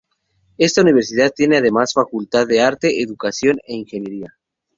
Esta Universidad tiene además facultad de Arte, Educación e Ingeniería.